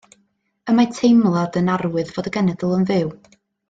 Y mae teimlad yn arwydd fod y genedl yn fyw.